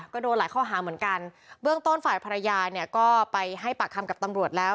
ก็โดนหลายข้อหาเหมือนกันเบื้องต้นฝ่ายภรรยาเนี่ยก็ไปให้ปากคำกับตำรวจแล้ว